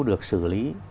được xử lý